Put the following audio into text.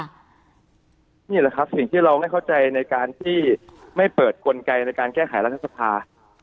นี่แหละครับสิ่งที่เราไม่เข้าใจในการที่ไม่เปิดกลไกในการแก้ไขรัฐสภา